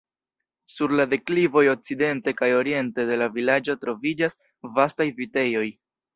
Sur la deklivoj okcidente kaj oriente de la vilaĝo troviĝas vastaj vitejoj.